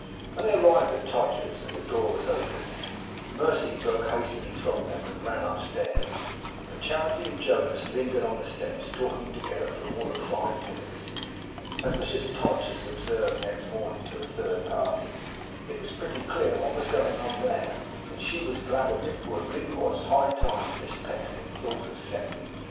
When they arrived at Todgers's, and the door was opened, Mercy broke hastily from them, and ran upstairs; but Charity and Jonas lingered on the steps talking together for more than five minutes; so, as Mrs Todgers observed next morning, to a third party, 'It was pretty clear what was going on THERE, and she was glad of it, for it really was high time that Miss Pecksniff thought of settling.